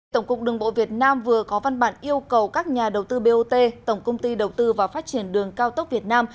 tổng cục đường bộ việt nam vừa có văn bản yêu cầu các nhà đầu tư bot tổng công ty đầu tư và phát triển đường cao tốc việt nam